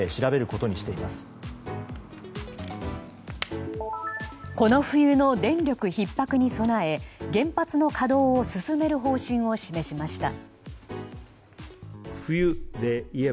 この冬の電力ひっ迫に備え原発の稼働を進める方針を示しました。